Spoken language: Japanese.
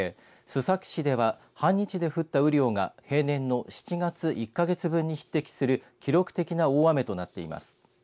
須崎市では半日で降った雨量が平年の７月１か月分に匹敵する記録的な大雨となっています。